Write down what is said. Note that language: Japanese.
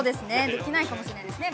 できないかもしれないですね。